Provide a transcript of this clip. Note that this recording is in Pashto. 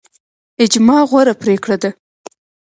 اجماع غوره پریکړه ده